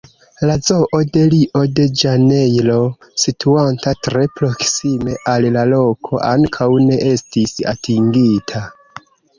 La Zoo de Rio-de-Ĵanejro, situanta tre proksime al la loko, ankaŭ ne estis atingita.